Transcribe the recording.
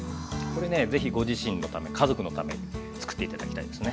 これね是非ご自身のため家族のために作って頂きたいですね。